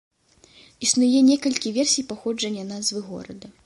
Існуе некалькі версій паходжання назвы горада.